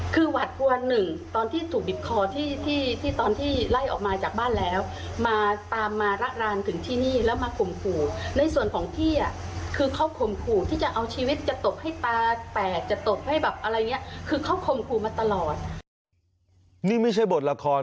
คือหวาดกลัวหนึ่งตอนที่ถูกบิบคอที่ตอนที่ไล่ออกมาจากบ้านแล้ว